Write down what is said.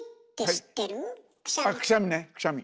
あくしゃみねくしゃみ。